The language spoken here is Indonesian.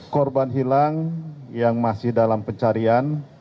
korban hilang yang masih dalam pencarian